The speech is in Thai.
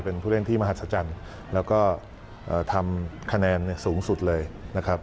เป็นผู้เล่นที่มหัศจรรย์แล้วก็ทำคะแนนสูงสุดเลยนะครับ